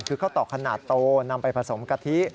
คือข้าวตอกขนาดโตนำไปผสมกะทิ